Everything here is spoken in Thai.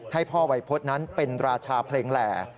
ให้พ่อวัยพฤษนั้นเป็นราชาเพลงแหล่